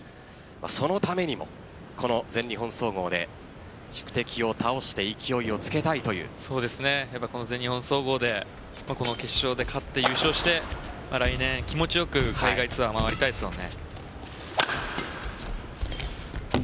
そのためにもこの全日本総合で宿敵を倒して勢いをつけたい全日本総合で決勝で勝って優勝して来年、気持ちよく海外ツアーを回りたいですよね。